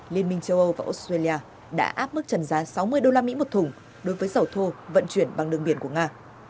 liên minh châu âu và australia đã áp mức trần giá sáu mươi usd một thùng đối với dầu thô vận chuyển bằng đường biển của nga